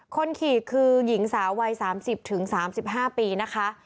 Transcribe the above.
คนขี่คือหญิงสาววัย๓๐๓๕ปีนะคะ